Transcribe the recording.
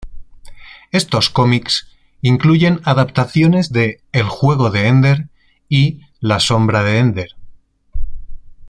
Estos cómics incluyen adaptaciones de "El juego de Ender" y "La sombra de Ender".